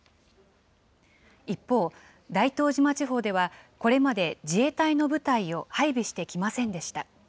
一方、大東島地方では、これまで自衛隊の部隊を配備してきませんでした。